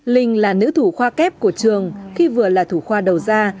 linh là nữ thủ khoa kép của trường khi vừa là thủ khoa đầu ra